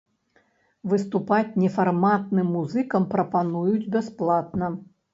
Выступаць нефарматным музыкам прапануюць бясплатна.